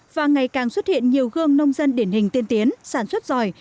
và ngày càng xuất hiện nhiều gương nông dân điển hình tiên tiến sản xuất giỏi